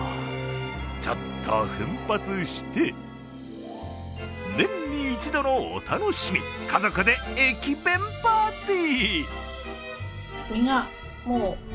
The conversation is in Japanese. ちょっと奮発して、年に１度のお楽しみ、家族で駅弁パーティー。